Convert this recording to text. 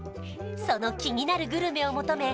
その気になるグルメを求め